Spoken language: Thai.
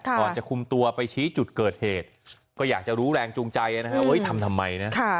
ก่อนจะคุมตัวไปชี้จุดเกิดเหตุก็อยากจะรู้แรงจูงใจนะฮะว่าทำทำไมนะ